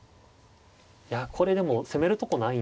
いやこれでも攻めるとこないんで。